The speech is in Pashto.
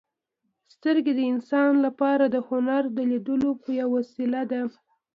• سترګې د انسان لپاره د هنر د لیدلو یوه وسیله ده.